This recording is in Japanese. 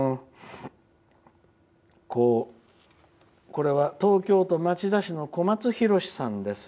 これは東京都町田市のこまつひろしさんです。